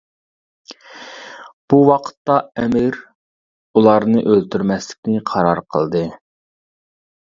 بۇ ۋاقىتتا ئەمىر ئۇلارنى ئۆلتۈرمەسلىكىنى قارار قىلدى.